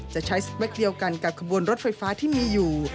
จะใช้สเวคเดียวกันกับขบวนรถไฟฟ้าที่มีอยู่